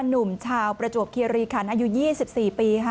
หนุ่มชาวประจวบเครียรีคันอายุ๒๔ปี